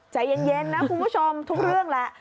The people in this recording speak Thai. ใจเย็นนะคุณผู้ชมทุกเรื่องแหละ